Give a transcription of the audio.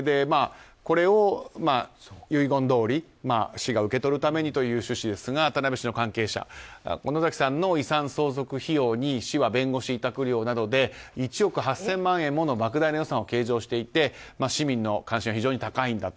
これを遺言どおり市が受け取るためにという趣旨ですが、田辺市の関係者野崎さんの遺産相続費用に市は弁護士委託料などで１億８０００万円もの莫大な予算を計上していて市民の関心は非常に高いんだと。